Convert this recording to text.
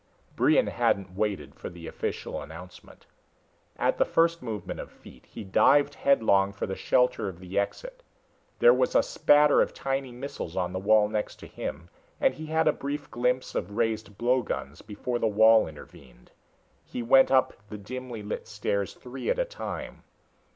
Brion hadn't waited for the official announcement. At the first movement of feet, he dived headlong for the shelter of the exit. There was a spatter of tiny missiles on the wall next to him and he had a brief glimpse of raised blowguns before the wall intervened. He went up the dimly lit stairs three at a time.